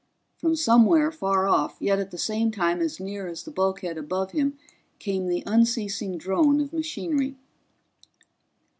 From somewhere, far off yet at the same time as near as the bulkhead above him, came the unceasing drone of machinery.